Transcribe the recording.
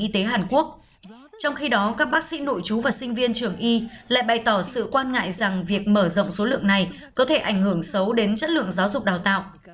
trong khi đó các bác sĩ nội chú và sinh viên trường y lại bày tỏ sự quan ngại rằng việc mở rộng số lượng này có thể ảnh hưởng xấu đến chất lượng giáo dục đào tạo